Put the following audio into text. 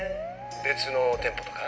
別の店舗とか。